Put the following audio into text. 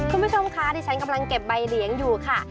คุณผู้ชมคะดิฉันกำลังเก็บใบเหลียงอยู่ค่ะ